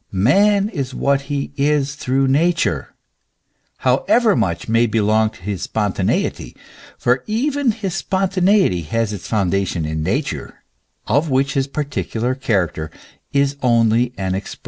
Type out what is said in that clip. Man is what he is through Nature, however much may belong to his spon taneity ; for even his spontaneity has its foundation in Nature, of which his particular character is only an expression.